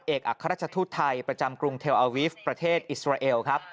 เอกอัครัชทุธไทยประจำกรุงเทลอาวิฟต์ประเทศอิสราเอล